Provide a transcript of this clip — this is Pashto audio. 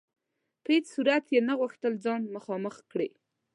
په هیڅ صورت یې نه غوښتل ځان مخامخ کړي.